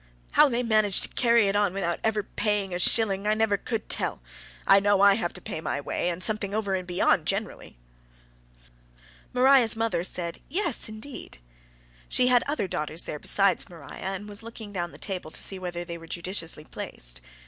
How they manage to carry it on without ever paying a shilling, I never could tell. I know I have to pay my way, and something over and beyond generally." Maria's mother said, "Yes, indeed." She had other daughters there besides Maria, and was looking down the table to see whether they were judiciously placed.